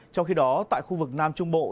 trong khi đó tại khu vực nam trung bộ